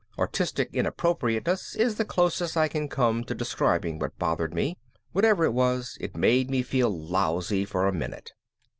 Artistic inappropriateness is the closest I can come to describing what bothered me. Whatever it was, it made me feel lousy for a minute.